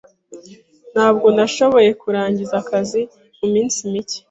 Ntabwo nashoboye kurangiza akazi muminsi mike.